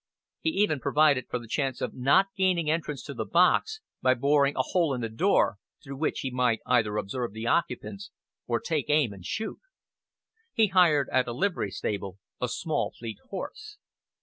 He even provided for the chance of not gaining entrance to the box by boring a hole in the door, through which he might either observe the occupants, or take aim and shoot. He hired at a livery stable a small fleet horse.